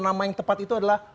nama yang tepat itu adalah